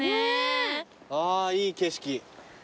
ああいい景色。